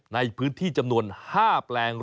ในพื้นที่จำนวน๕แปลง